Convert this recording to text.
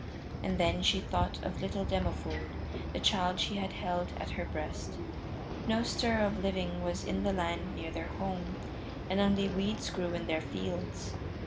And then she thought of little Demophoon, the child she had held at her breast. No stir of living was in the land near their home, and only weeds grew in their fields.